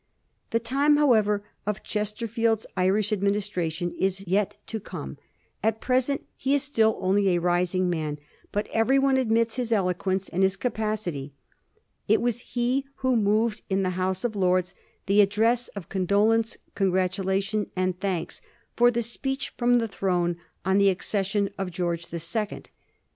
The time, however, of Chesterfield's Irish administra tion is yet to come. At present he is still only a rising man ; but every one admits his eloquence and his capacity. It was he who moved in the House of Lords the *' ad dress of condolence, congratulation, and thanks" for the speech from the throne on the accession of George the Second.